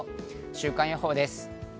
週間予報です。